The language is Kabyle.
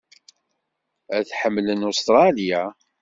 Ad tḥemmlem Ustṛalya.